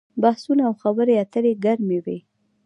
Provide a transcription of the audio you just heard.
بحثونه او خبرې اترې ګرمې وي.